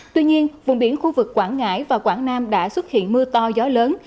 tuy nhiên vùng biển khu vực quảng ngãi và quảng nam đã xuất hiện mưa to gió lớn